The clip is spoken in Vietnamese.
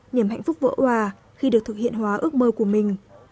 niềm hạnh phúc vỡ hòa khi được thực hiện hóa ước mơ của mình